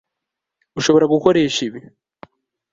Urashobora gukoresha ibi